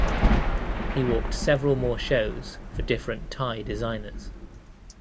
He walked several more shows for different Thai designers.